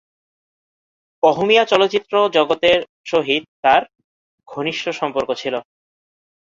অসমীয়া চলচ্চিত্র জগতের সহিত তাঁর ঘনিষ্ঠ সম্পর্ক ছিল।